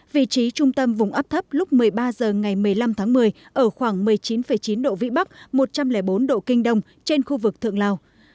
vị trí trung tâm vùng áp thấp lúc một mươi ba h ngày một mươi năm tháng một mươi ở khoảng một mươi chín chín độ vĩ bắc một trăm linh bốn độ kinh đông trên khu vực thượng lào